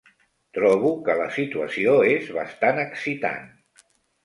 Trobo que la situació és bastant excitant.